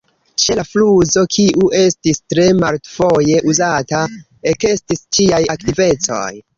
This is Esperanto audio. Ĉe la kluzo, kiu estis tre multfoje uzata, ekestis ĉiaj aktivecoj.